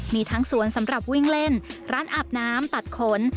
มีทั้งสวนสำหรับวิ่งเล่นร้านอาบน้ำตัดขน